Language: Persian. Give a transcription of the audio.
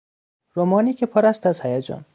رمانی که پر است از هیجان